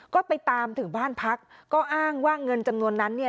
ก็ไปตามถึงบ้านพักก็อ้างว่าเงินจำนวนนั้นเนี่ย